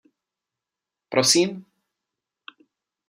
Prosím?